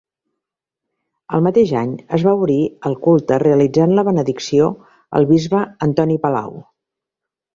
El mateix any, es va obrir al culte realitzant la benedicció el bisbe Antoni Palau.